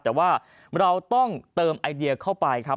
แต่ว่าเราต้องเติมไอเดียเข้าไปครับ